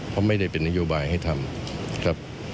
เพราะไม่ได้เป็นนโยบายให้ทำครับ